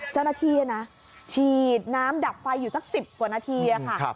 เจ้าหน้าที่นะฉีดน้ำดับไฟอยู่สัก๑๐กว่านาทีค่ะ